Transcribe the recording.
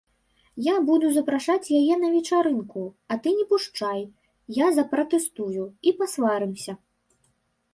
Я буду запрашаць яе на вечарынку, а ты не пушчай, я запратэстую, і пасварымся.